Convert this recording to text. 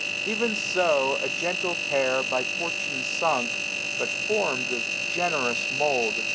Even so a gentle pair. By fortune sunk, but formM of generous mould.